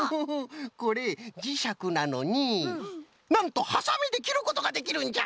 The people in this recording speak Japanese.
これじしゃくなのになんとはさみできることができるんじゃ！